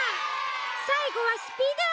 さいごはスピードアップ！